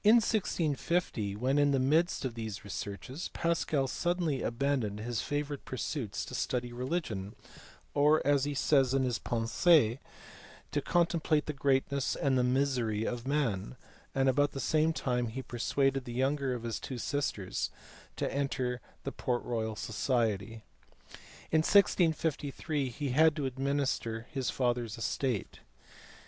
In 1G50, when in the midst of these researches, Pascal suddenly abandoned his favourite pursuits to study religion, or as he says in his Pensees u to contemplate the greatness and the misery of man "; and about the same time he persuaded the younger of his two sisters to enter the Port Royal society. In 1653 he had to administer his father s estate.